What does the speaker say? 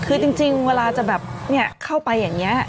คือจริงจริงเวลาจะแบบเนี่ยเข้าไปอย่างเนี้ย